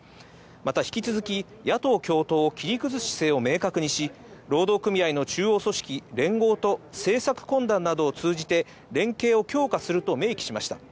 また引き続き野党共闘を切り崩す姿勢を明確にし、労働組合の中央組織、連合と政策懇談などを通じて連携を強化すると明記しました。